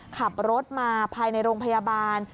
ขับรถมาภายในโรงพยาบาล